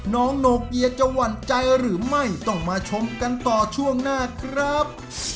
โนเกียจะหวั่นใจหรือไม่ต้องมาชมกันต่อช่วงหน้าครับ